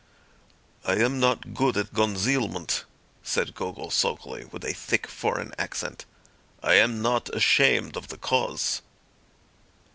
"I am not good at concealment," said Gogol sulkily, with a thick foreign accent; "I am not ashamed of the cause."